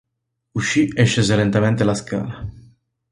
Uscì e scese lentamente la scala.